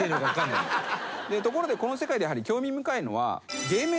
ところでこの世界でやはり興味深いのは。